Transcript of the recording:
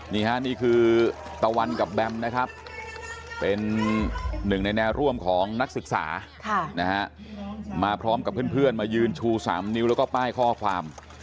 นี่ฮะนี่คือตะวันกับแบมนะครับเป็นหนึ่งในแนวร่วมของนักศึกษามาพร้อมกับเพื่อนมายืนชู๓นิ้วแล้วก็ป้ายข้อความ